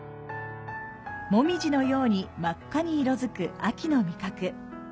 もみじのように真っ赤に色づく秋の味覚。